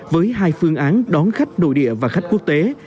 với hai phương án đón khách nội địa và khách quốc tế